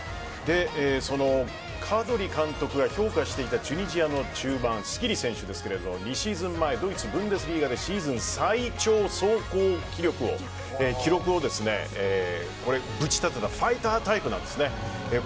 カドリ監督が評価していたチュニジアの中盤スキリ選手ですが２シーズン前、ドイツブンデスリーガでシーズン最長走行記録をぶち立てたファイタータイプなんです。